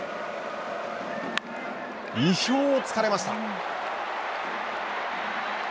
意表をつかれました。